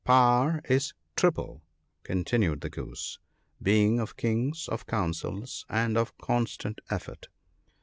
' Power is triple,' continued the Goose, * being of Kings, of counsels, and of constant effort.'